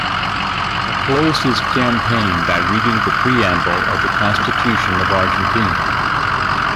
He closed his campaign by reading the preamble of the constitution of Argentina.